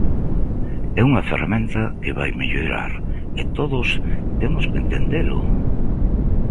É unha ferramenta que vai mellorar e todos temos que entendelo.